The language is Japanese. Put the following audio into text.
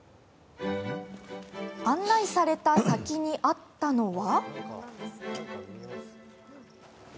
案内された先にあったのは。